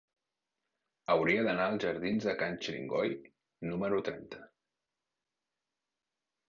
Hauria d'anar als jardins de Can Xiringoi número trenta.